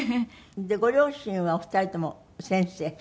ご両親はお二人とも先生？